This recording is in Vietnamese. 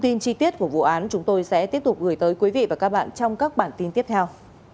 đi tiết của vụ án chúng tôi sẽ tiếp tục gửi tới quý vị và các bạn trong các bản tin tiếp theo